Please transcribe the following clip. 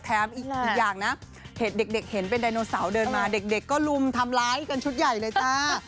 อีกอย่างนะเห็นเด็กเห็นเป็นไดโนเสาร์เดินมาเด็กก็ลุมทำร้ายกันชุดใหญ่เลยจ้า